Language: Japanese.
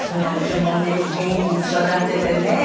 でもね元気に育ててね。